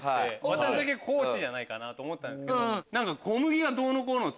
私だけ地じゃないかなと思ったんですけど。